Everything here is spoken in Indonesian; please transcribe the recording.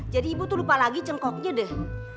jadi ibu tuh lupa lagi cengkoknya deh